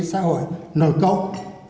xã hội nội công